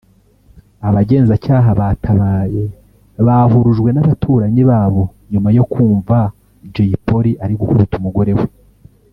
Abagenzacyaha batabaye bahurujwe n’abaturanyi babo nyuma yo kumva Jay Polly ari gukubita umugore we